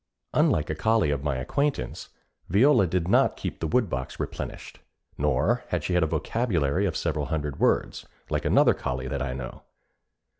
Unlike a collie of my acquaintance, Viola did not keep the woodbox replenished; nor had she a vocabulary of several hundred words, like another collie that I know.